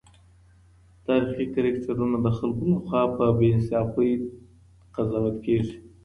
تاریخي کرکټرونه د خلګو له خوا په بې انصافۍ قضاوت کيږي.